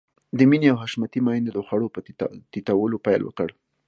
د مينې او حشمتي ميندو د خوړو په تيتولو پيل وکړ.